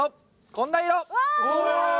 こんな色。